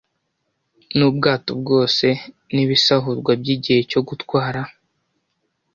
Nubwato bwose nibisahurwa byigihe cyo gutwara